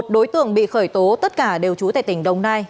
một mươi một đối tượng bị khởi tố tất cả đều chú tài tỉnh đồng nai